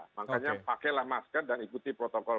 makanya pakailah masker dan ikuti protokol